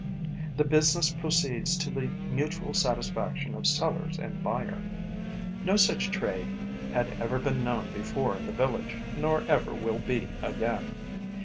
The business proceeds to the mutual satisfaction of sellers and buyer. No such trade had ever been known before in the village nor ever will be again.